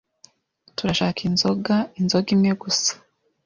"Turashaka inzoga." "Inzoga imwe gusa?"